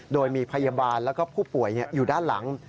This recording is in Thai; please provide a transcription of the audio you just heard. โดยมีพยาบาลแล้วก็ผู้ป่วยอยู่ด้านหลัง